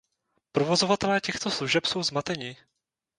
Provozovatelé těchto služeb jsou zmateni.